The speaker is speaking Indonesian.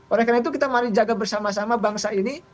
oleh karena itu kita mari jaga bersama sama bangsa ini